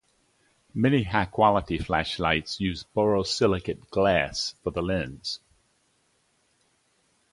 Many high-quality flashlights use borosilicate glass for the lens.